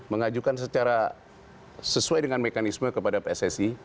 mengajukan secara sesuai dengan mekanisme kepada pssi